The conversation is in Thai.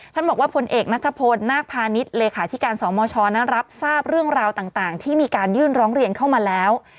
ท่านบอกว่าผลเอกนัทพลนาคพาณิชย์เลขาธิการสมชนั้นรับทราบเรื่องราวต่างที่มีการยื่นร้องเรียนเข้ามาแล้ว